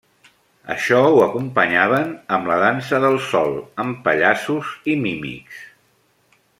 Això ho acompanyaven amb la dansa del sol amb pallassos i mímics.